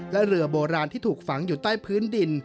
และเรือโบราณที่ถูกฝังอยู่ใต้พื้นดิน